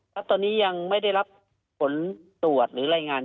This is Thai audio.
ครับตอนนี้ยังไม่ได้รับผลตรวจหรือรายงาน